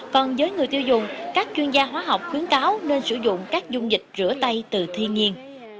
còn với người tiêu dùng các chuyên gia hóa học khuyến cáo nên sử dụng các dung dịch rửa tay từ thiên nhiên